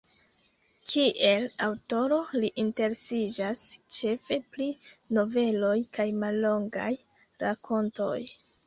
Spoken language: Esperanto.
Kiel aŭtoro li interesiĝas ĉefe pri noveloj kaj mallongaj rakontoj.